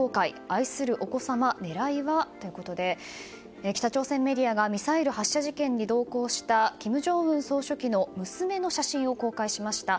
愛するお子様狙いは？ということで北朝鮮メディアがミサイル発射実験に同行した金正恩総書記の娘の写真を公開しました。